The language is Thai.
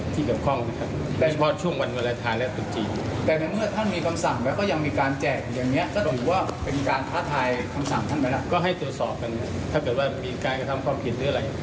ตรวจสอบกันถ้าเกิดว่ามีการกระทำความผิดหรืออะไร